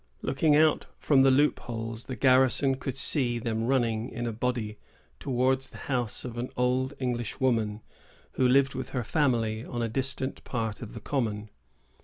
Looking out from the loopholes, the garrison could see them running in a body towards the house of an old English woman, who lived, with her family, on a distant part of the common.